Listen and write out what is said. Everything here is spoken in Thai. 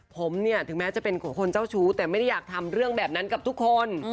ผมเนี่ยถึงแม้จะเป็นคนเจ้าชู้แต่ไม่ได้อยากทำเรื่องแบบนั้นกับทุกคน